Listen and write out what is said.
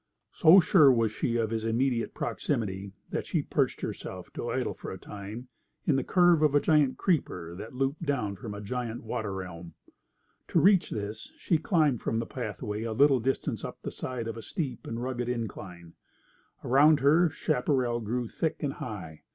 So sure was she of his immediate proximity that she perched herself to idle for a time in the curve of a great creeper that looped down from a giant water elm. To reach this she climbed from the pathway a little distance up the side of a steep and rugged incline. Around her chaparral grew thick and high.